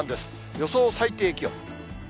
予想最低気温。